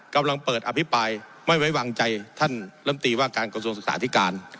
กำลังเปิดอภิปรายไม่ไว้วางใจท่านลำตีว่าการกระทรวงศึกษาธิการ